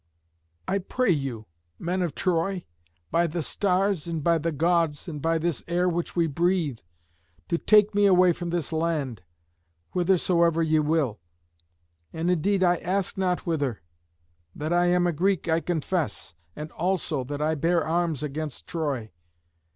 "I pray you, men of Troy, by the stars and by the Gods, and by this air which we breathe, to take me away from this land, whithersoever ye will. And indeed I ask not whither. That I am a Greek, I confess, and also that I bare arms against Troy.